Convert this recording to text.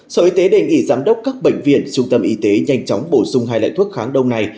sở y tế đề nghị giám đốc các bệnh viện trung tâm y tế nhanh chóng bổ sung hai loại thuốc kháng đông này